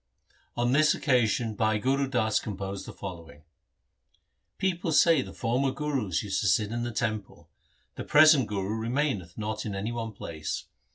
On this occasion Bhai Gur Das composed the following :— People say the former Gurus used to sit in the temple ; the present Guru remaineth not in any one place.